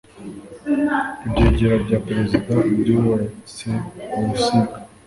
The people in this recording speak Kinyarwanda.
ibyegera bya perezida byubatse urusika